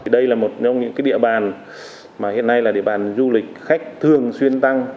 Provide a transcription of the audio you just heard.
đây là một trong những địa bàn mà hiện nay là địa bàn du lịch khách thường xuyên tăng